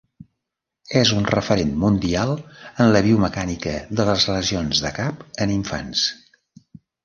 És una referent mundial en la biomecànica de les lesions de cap en infants.